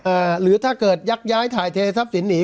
หรือถ้าเกิดยักย้ายถ่ายเททรัพย์สินหนี